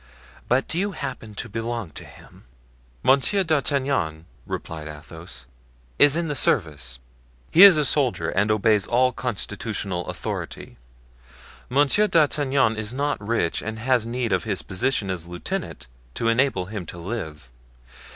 But do you happen to belong to him?" "Monsieur d'Artagnan," replied Athos, "is in the service; he is a soldier and obeys all constitutional authority. Monsieur d'Artagnan is not rich and has need of his position as lieutenant to enable him to live.